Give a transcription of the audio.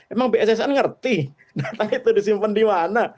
emang bssn ngerti data itu disimpan di mana